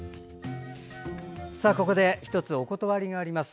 ここで１つお断りがあります。